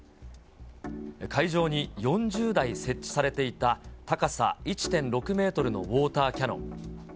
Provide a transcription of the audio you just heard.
会場に４０台設置されていた、高さ１．６メートルのウォーターキャノン。